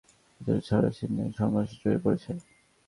তাই তিনি মনে করেন যে, কোনরূপ প্রতিরোধ ছাড়াই সে সংঘর্ষে জড়িয়ে পড়েছে।